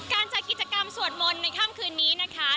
จัดกิจกรรมสวดมนต์ในค่ำคืนนี้นะคะ